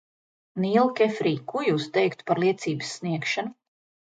Nīl Kefrij, ko jūs teiktu par liecības sniegšanu?